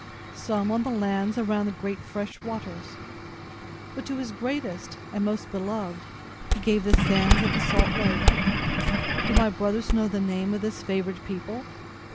Some on the lands around the great fresh waters; but to His greatest, and most beloved, He gave the sands of the salt lake. Do my brothers know the name of this favored people?"